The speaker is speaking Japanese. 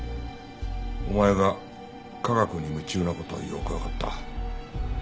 お前が科学に夢中な事はよくわかった。